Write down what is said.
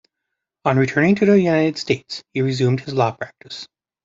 On returning to the United States, he resumed his law practice.